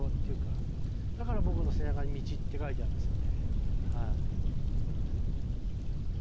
だから僕の背中に「道」って書いてあるんですよね。